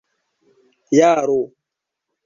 jaro